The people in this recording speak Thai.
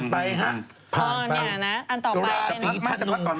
ผ่านไปครับ